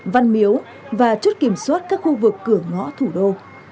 văn miếu và chốt kiểm soát các khu vực cửa ngõ thủ đô